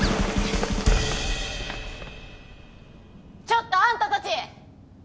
ちょっとあんたたち！